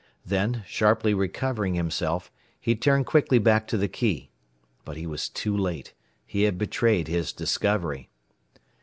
Then, sharply recovering himself, he turned quickly back to the key. But he was too late. He had betrayed his discovery.